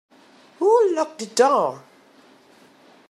Who locked the door?